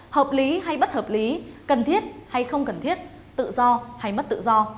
hợp lý hay bất hợp lý cần thiết hay không cần thiết tự do hay mất tự do